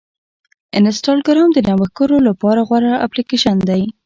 انسټاګرام د نوښتګرو لپاره غوره اپلیکیشن دی.